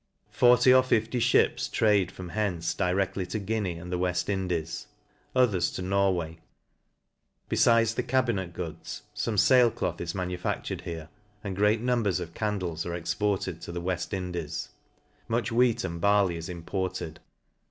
Forty or fift; fhips trade from hence directly to Guinea and th< Weft Indies } others to Norway. Befides the cabi net goods, fome fail cloth is manufactured here and oreat numbers of candles are exported to th WeJl^Indies. Much wheat and barley is imported.